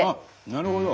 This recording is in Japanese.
なるほど！